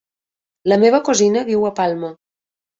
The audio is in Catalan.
La meva cosina viu a Palma.